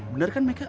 bener kan meka